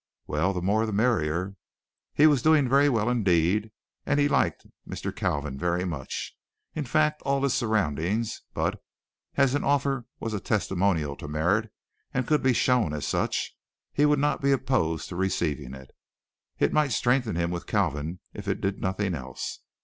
Well, the more the merrier! He was doing very well indeed, and liked Mr. Kalvin very much, in fact, all his surroundings, but, as an offer was a testimonial to merit and could be shown as such, he would not be opposed to receiving it. It might strengthen him with Kalvin if it did nothing else.